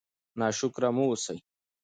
ناشکره مه اوسئ.